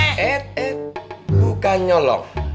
eh eh bukan nyolong